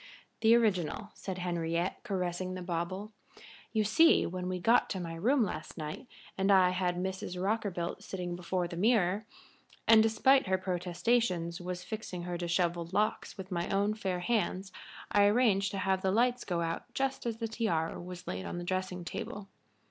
"The original," said Henriette, caressing the bauble. "You see, when we got to my room last night and I had Mrs. Rockerbilt sitting before the mirror, and despite her protestations was fixing her dishevelled locks with my own fair hands, I arranged to have the lights go out again just as the tiara was laid on the dressing table.